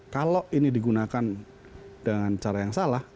kalau ini digunakan dengan cara yang salah